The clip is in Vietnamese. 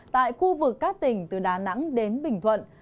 tại khu vực các tỉnh từ đà nẵng đến bình thuận